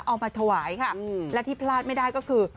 เอามาถวายค่ะและที่พลาดไม่ได้ก็คือ